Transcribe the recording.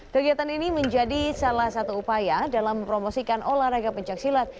kegiatan ini menjadi salah satu upaya dalam mempromosikan olahraga pencaksilat